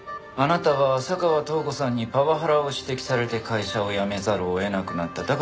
あなたは浅川塔子さんにパワハラを指摘されて会社を辞めざるを得なくなった。